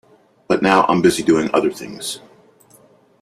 But now I'm busy doing other things.